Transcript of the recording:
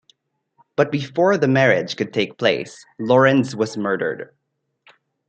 But before the marriage could take place, Lorenz was murdered.